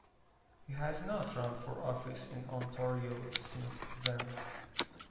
He has not run for office in Ontario since then.